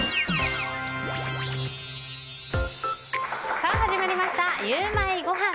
さあ、始まりましたゆウマいごはん。